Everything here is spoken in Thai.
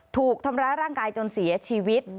ถูกทำร้ายร่างกายจนเสียชีวิต